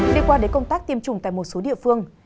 để qua đến công tác tiêm chủng tại một số địa phương